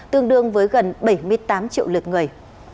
tương đương với gần bảy mươi tám triệu lượt người